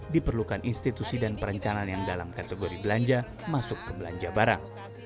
diperlukan institusi dan perencanaan yang dalam kategori belanja masuk ke belanja barang